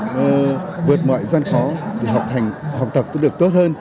và vượt mọi gian khó để học tập được tốt hơn